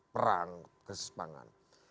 perang krisis pangan